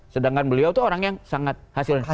sedangkan beliau itu orang yang sangat hasil